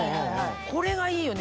これがいいよね。